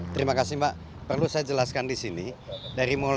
terima kasih mbak perlu saya jelaskan di sini